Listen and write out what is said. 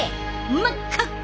真っ赤っか！